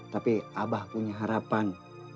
tapi abah punya harapan